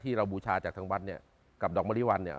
เราบูชาจากทางวัดเนี่ยกับดอกมะริวัลเนี่ย